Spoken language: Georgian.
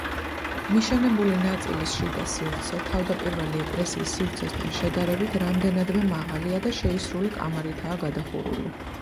მიშენებული ნაწილის შიდა სივრცე, თავდაპირველი ეკლესიის სივრცესთან შედარებით, რამდენადმე მაღალია და შეისრული კამარითაა გადახურული.